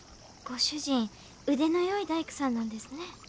ご主人腕のよい大工さんなんですね。